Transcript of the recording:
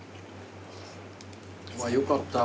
よかった。